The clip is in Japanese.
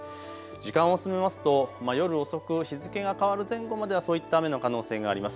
時間を進めますと夜遅く、日付が変わる前後まではそういった雨の可能性があります。